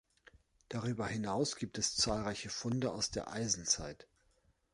Darüber hinaus gibt es zahlreiche Funde aus der Eisenzeit.